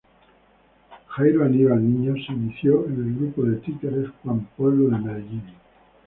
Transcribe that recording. Jairo Aníbal Niño se inició en el Grupo de Títeres Juan Pueblo de Medellín.